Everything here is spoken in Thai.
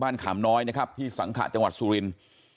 ขามน้อยนะครับที่สังขะจังหวัดสุรินทร์